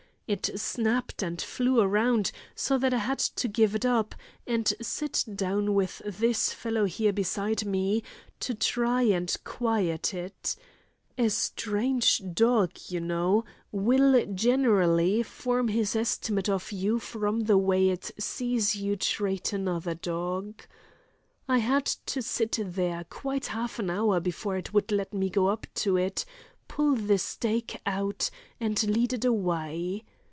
It snapped and flew round so that I had to give it up, and sit down with this fellow here beside me, to try and quiet it—a strange dog, you know, will generally form his estimate of you from the way it sees you treat another dog. I had to sit there quite half an hour before it would let me go up to it, pull the stake out, and lead it away.